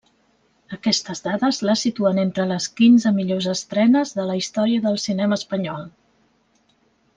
Aquestes dades la situen entre les quinze millors estrenes de la història del cinema espanyol.